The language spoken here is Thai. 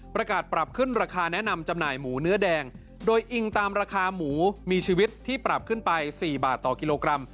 ประกาศปรับขึ้นราคาแนะนำจำหน่ายหมูเนื้อแดงโดยอิงตามราคาหมูมีชีวิตที่ปรับขึ้นไป๔บาทต่อกิโลกรัม